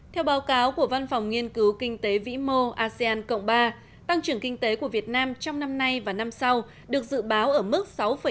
theo báo cáo của văn phòng nghiên cứu kinh tế vĩ mô asean cộng ba tăng trưởng kinh tế của việt nam trong năm nay và năm sau được dự báo ở mức sáu bảy